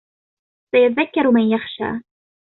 سيذكر من يخشى